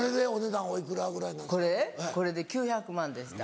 これで９００万円でした。